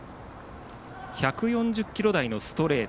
１４０キロ台のストレート